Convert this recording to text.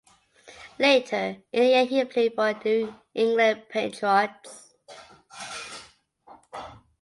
Later in the year he played for the New England Patriots.